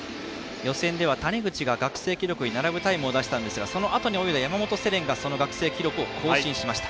予選では谷口が学生記録に並ぶタイムを出したんですがそのあとに泳いだ山本聖蓮がその学生記録を更新しました。